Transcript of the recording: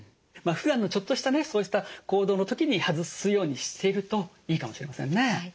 まあふだんのちょっとしたそうした行動の時に外すようにしているといいかもしれませんね。